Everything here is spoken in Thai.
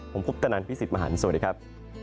ผมพุทธนันพี่สิทธิมหันฯสวัสดีครับ